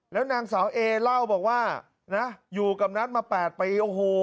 แล้วนางสาวเอเล่าบอกว่านะอยู่กับนัทมา๘ปีโอ้โห